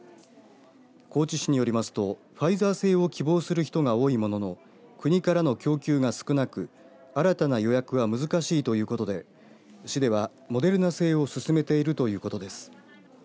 高知市によりますとファイザー製を希望する人が多いものの国からの供給が少なく新たな予約は難しいということで市ではモデルナ製をすすめているということです。